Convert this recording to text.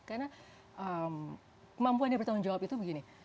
karena kemampuan dia bertanggung jawab itu begini